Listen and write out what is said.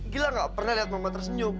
gila gak pernah lihat mama tersenyum